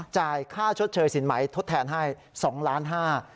จ่ายค่าชดเชยสินไหมทดแทนให้๒ล้านห้า